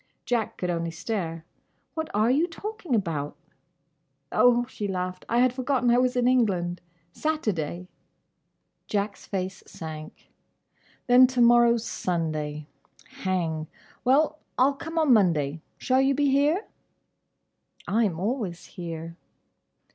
Jack could only stare. "What are you talking about?" "Oh," she laughed, "I had forgotten I was in England. Saturday." Jack's face sank. "Then to morrow 's Sunday. Hang. Well! I'll come on Monday. Shall you be here?" "I am always here."